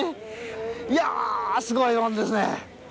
いや、すごいもんですね。